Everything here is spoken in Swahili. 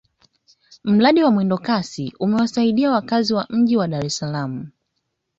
mradi wa mwendokasi umewasaidia wakazi wa mji wa dar es salaam